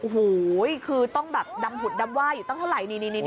โหคือต้องดำหุดดำว่ายอยู่ตั้งเท่าไหร่